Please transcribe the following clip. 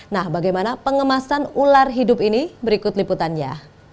nah bagaimana pengemasan ular hidup ini berikut liputannya